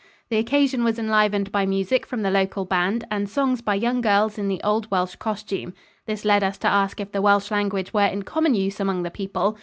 The occasion was enlivened by music from the local band and songs by young girls in the old Welsh costume. This led us to ask if the Welsh language were in common use among the people.